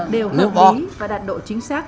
đều hợp ý và đạt độ chính xác